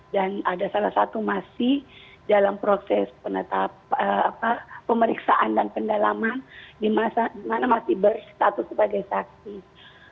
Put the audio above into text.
dan ada salah satu masih dalam proses pemeriksaan dan pendalaman di mana masih berstatus sebagai sakit